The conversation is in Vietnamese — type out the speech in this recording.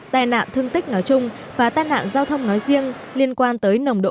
tai nạn thương tích nói chung và tai nạn giao thông nói riêng liên quan tới nồng độ